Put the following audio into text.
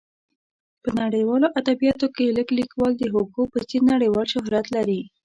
په نړیوالو ادبیاتو کې لږ لیکوال د هوګو په څېر نړیوال شهرت لري.